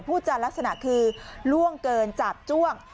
จะลักษณะคือล่วงเกินจาบจ้วง